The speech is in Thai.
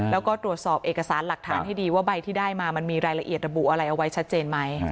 แล้วก็ตรวจสอบเอกสารหลักฐานให้ดีว่าใบที่ได้มามันมีรายละเอียดระบุอะไรเอาไว้ชัดเจนไหม